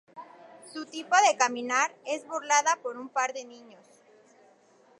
Su tipo de caminar es burlada por un par de niños.